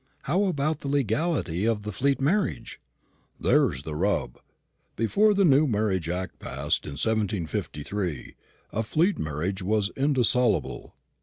"But how about the legality of the Fleet marriage?" "There's the rub. Before the New Marriage Act passed in 1753 a Fleet marriage was indissoluble.